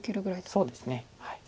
そうですね。